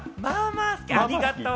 ありがとう。